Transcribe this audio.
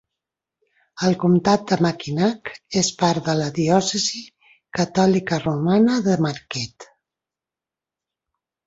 El comtat de Mackinac és part de la diòcesi catòlica romana de Marquette.